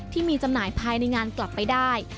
จำหน่ายภายในงานกลับไปได้